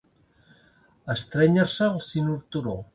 Estrènyer-se el cinturó.